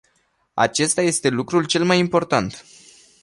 Acesta este lucrul cel mai important.